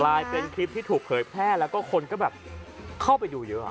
เป็นคลิปที่ถูกเผยแพร่แล้วก็คนก็แบบเข้าไปดูเยอะ